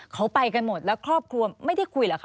เขาไปกันหมดแล้วครอบครัวไม่ได้คุยเหรอคะ